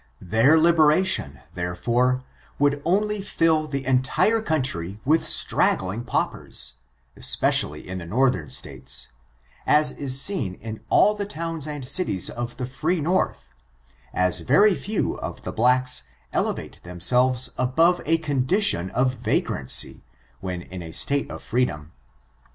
Their liberation, therefore, would only fill the entire country with straggling paupers, especially the northern states, as is seen in all the towns and cities of the free North, as very few of the blacks elevate themselves above a condition of vagrancy, when in a state of freedom.